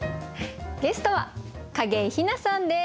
ゲストは景井ひなさんです。